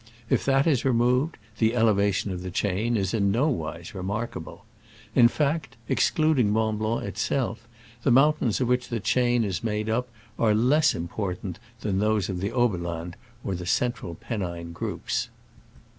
If that is removed, the elevation of the chain is in nowise remarkable. In fact, exclud ing Mont Blanc itself, the mountains of which the chain is made up are less im portant than those of the Oberland and the central Pennine groups.